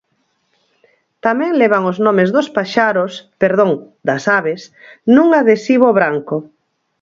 Tamén levan os nomes dos paxaros –perdón, das aves– nun adhesivo branco.